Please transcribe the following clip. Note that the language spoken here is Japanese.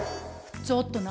ちょっと何？